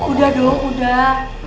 udah dong udah